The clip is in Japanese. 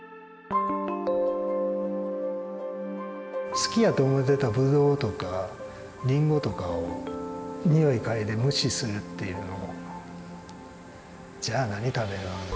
好きやと思ってたブドウとかリンゴとかを匂い嗅いで無視するっていうのもじゃあ何食べるん？